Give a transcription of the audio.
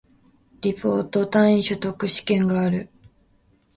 リポート、単位習得試験がある